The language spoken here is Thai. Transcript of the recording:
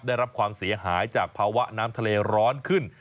ได้รับความเสียหายจากภาวะน้ำทะเลร้อนขึ้น